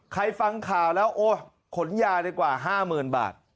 ใครฟังข่าวแล้วโอ๊ยขนยาดีกว่า๕๐๐๐บาท